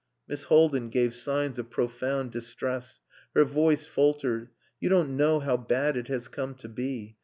Miss Haldin gave signs of profound distress. Her voice faltered. "You don't know how bad it has come to be.